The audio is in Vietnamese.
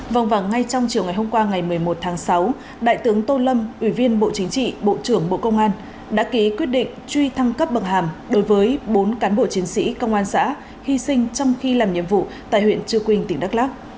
vâng và ngay trong chiều ngày hôm qua ngày một mươi một tháng sáu đại tướng tô lâm ủy viên bộ chính trị bộ trưởng bộ công an đã ký quyết định truy thăng cấp bậc hàm đối với bốn cán bộ chiến sĩ công an xã hy sinh trong khi làm nhiệm vụ tại huyện trư quynh tỉnh đắk lắc